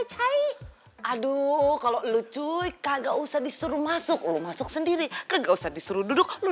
cai aduh kalau lucu kagak usah disuruh masuk lu masuk sendiri ke gak usah disuruh duduk lo